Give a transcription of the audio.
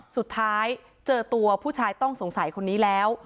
สุดท้ายเจอตัวผู้ชายต้องสงสัยคนนี้แล้ว